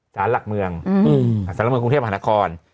สารหลักเมืองสารหลักเมืองกรุงเทพหานคร